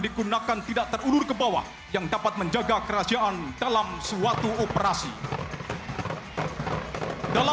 digunakan tidak terulur ke bawah yang dapat menjaga kerahasiaan dalam suatu operasi dalam